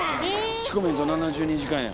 「チコメント７２時間」や。